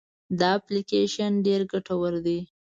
دا اپلیکیشن ډېر ګټور دی.